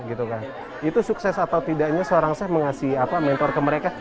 itu sukses atau tidaknya seorang saf mengasih mentor ke mereka